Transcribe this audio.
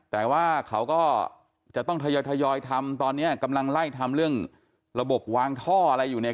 แต่ว่าเขาก็จะต้องทยอยทยอยทำตอนนี้กำลังไล่ทำเรื่องระบบวางท่ออะไรอยู่เนี่ย